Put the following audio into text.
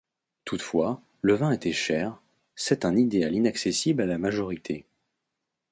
Toutefois, le vin était cher, c’est un idéal inaccessible à la majorité.